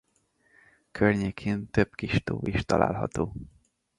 Környékén több kis tó is található.